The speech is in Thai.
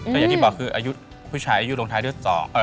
อย่างที่บอกคือผู้ชายอายุลงท้ายด้วย๓๖๙